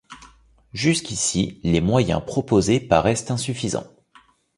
Jusqu'ici les moyens proposés paraissaient insuffisants.